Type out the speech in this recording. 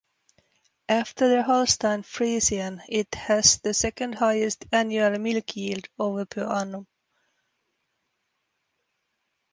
After the Holstein Friesian, it has the second-highest annual milk yield, over per annum.